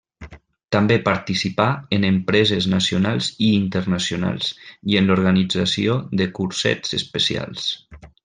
També participà en empreses nacionals i internacionals, i en l'organització de cursets especials.